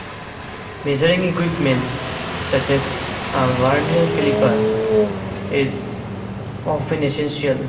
Measuring equipment such as a Vernier caliper is often essential.